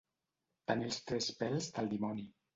Tenir els tres pèls del dimoni.